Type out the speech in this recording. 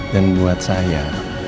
dan buat saya